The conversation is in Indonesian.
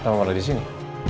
mama ada disini